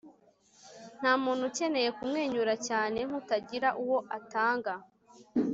ntamuntu ukeneye kumwenyura cyane nkutagira uwo atanga